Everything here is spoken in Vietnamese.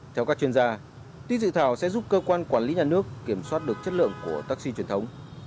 theo các chuyên gia tuy dự thảo sẽ giúp cơ quan quản lý nhà nước kiểm soát được chất lượng của taxi truyền thống